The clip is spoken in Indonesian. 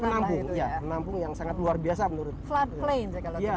penampung ya penampung yang sangat luar biasa menurut saya